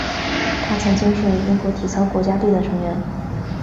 他曾经是英国体操国家队的成员。